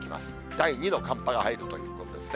第２の寒波が入るということですね。